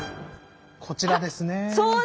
こちらですね。